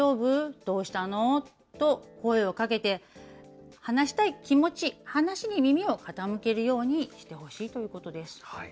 どうしたの？と声をかけて、話したい気持ち、話に耳を傾けるようにしてほしいということです。